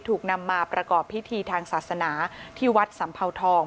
ถูกนำมาประกอบพิธีทางศาสนาที่วัดสัมเภาทอง